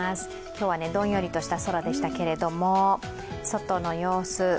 今日は、どんよりとした空でしたけれども、外の様子。